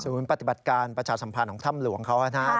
คือปฏิบัติการประชาสัมพันธ์ของท่ำหลวงเขานะ